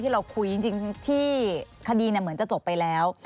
เราคุยจริงที่คดีเหมือนจะจบไปแล้ว